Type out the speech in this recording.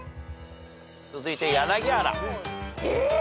続いて柳原。え！